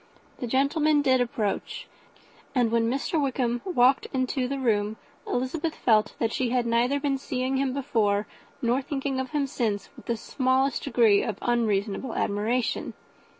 The gentlemen did approach: and when Mr. Wickham walked into the room, Elizabeth felt that she had neither been seeing him before, nor thinking of him since, with the smallest degree of unreasonable admiration.